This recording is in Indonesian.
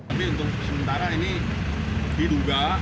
tapi untuk sementara ini diduga